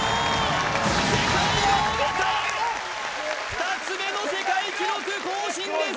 ２つ目の世界記録更新です！